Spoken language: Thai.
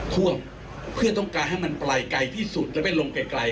ท่วมเพื่อต้องการให้มันไปไกลที่สุดแล้วไปลงไกล